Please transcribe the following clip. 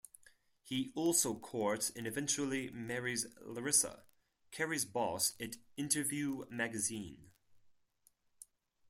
He also courts and eventually marries Larissa, Carrie's boss at Interview magazine.